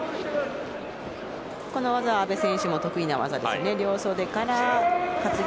この技は阿部選手も得意な技ですね。